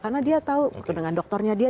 karena dia tahu dengan dokternya dia